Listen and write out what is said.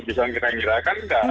bisa kita kira kira kan enggak